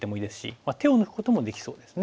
手を抜くこともできそうですね。